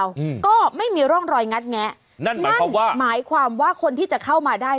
อืมก็ไม่มีร่องรอยงัดแงะนั่นหมายความว่าหมายความว่าคนที่จะเข้ามาได้